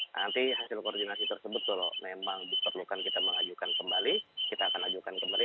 nanti hasil koordinasi tersebut kalau memang diperlukan kita mengajukan kembali kita akan ajukan kembali